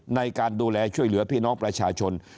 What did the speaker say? ในการดูแลช่วยเหลือพี่น้องประชาชน